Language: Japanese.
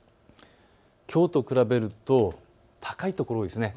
きょうと比べると高い所が多いですね。